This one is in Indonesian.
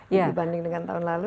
dibanding dengan tahun lalu